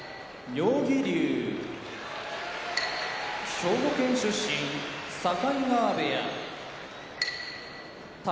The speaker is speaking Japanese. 妙義龍兵庫県出身境川部屋宝